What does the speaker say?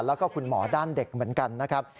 แล้วก็คุณหมอด้านเด็กเหมือนกันนะครับ